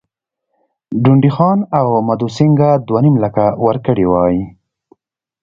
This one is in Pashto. ډونډي خان او مدو سینګه دوه نیم لکه ورکړي وای.